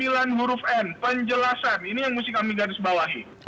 ini yang harus kami garis bawahi